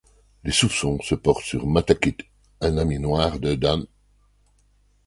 Les soupçons se portent sur Matakit, un ami noir de Dan…